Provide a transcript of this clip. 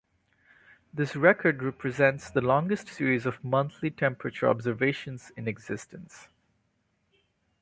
This record represents the longest series of monthly temperature observations in existence.